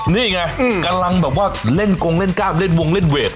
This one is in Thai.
นี่ไงกำลังแบบว่าเล่นกงเล่นกล้ามเล่นวงเล่นเวท